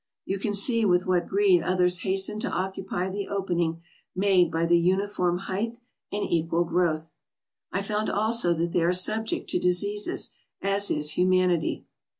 You can see with what greed others hasten to occupy the opening made by the uniform height and equal growth. I found also that they are subject to diseases, as is humanity.